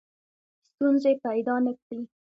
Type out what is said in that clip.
ستونزې پیدا نه کړي.